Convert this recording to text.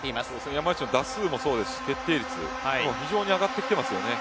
山内は打数もそうですし決定率、非常に上がっていますよね。